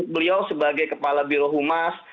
beliau sebagai kepala birohumas